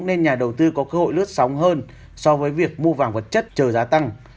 nên nhà đầu tư có cơ hội lướt sóng hơn so với việc mua vàng vật chất chờ giá tăng